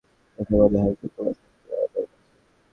দেখে মনে হয় যে তোমার শক্তির আমার দরকার আছে?